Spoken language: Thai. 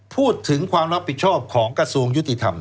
พูดถึงความรับผิดชอบของกระทรวงยุติธรรม